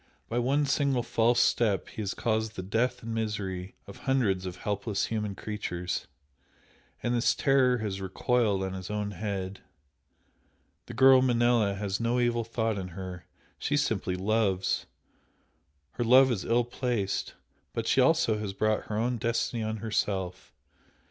By one single false step he has caused the death and misery of hundreds of helpless human creatures and this terror has recoiled on his own head. The girl Manella has no evil thought in her she simply loves! her love is ill placed, but she also has brought her own destiny on herself.